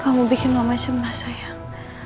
kamu bikin mama cembah sayang